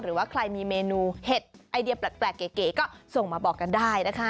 หรือว่าใครมีเมนูเห็ดไอเดียแปลกเก๋ก็ส่งมาบอกกันได้นะคะ